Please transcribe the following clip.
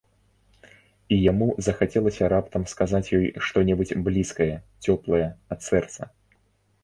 І яму захацелася раптам сказаць ёй што-небудзь блізкае, цёплае, ад сэрца.